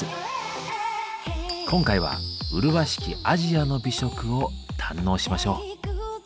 今回は麗しき「アジアの美食」を堪能しましょう。